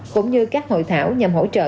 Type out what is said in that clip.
cũng như các hội thảo nhằm hỗ trợ